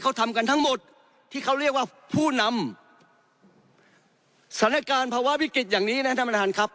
เขาทำกันทั้งหมดที่เขาเรียกว่าผู้นำสถานการณ์ภาวะวิกฤตอย่างนี้นะท่านประธานครับ